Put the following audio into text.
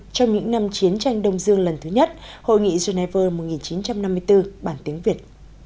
trong những năm chiến tranh đông dương lần thứ nhất hội nghị geneva một nghìn chín trăm năm mươi bốn bản tiếng việt